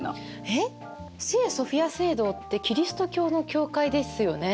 えっ聖ソフィア聖堂ってキリスト教の教会ですよね。